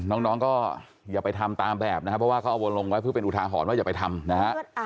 น้องก็อย่าไปทำตามแบบนะครับเพราะว่าเขาเอาวนลงไว้เพื่อเป็นอุทาหรณ์ว่าอย่าไปทำนะฮะ